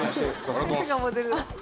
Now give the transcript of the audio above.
先生がモデル？